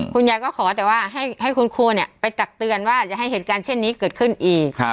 คุณยายก็ขอแต่ว่าให้คุณครูไปตักเตือนว่าอย่าให้เหตุการณ์เช่นนี้เกิดขึ้นอีก